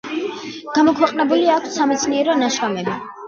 გამოქვეყნებული აქვს სამეცნიერო ნაშრომები.